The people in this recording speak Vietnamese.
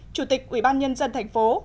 chủ tịch ủy ban nhân dân thành phố